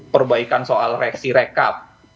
perbaikan soal reaksi rekap